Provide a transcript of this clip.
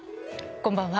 こんばんは。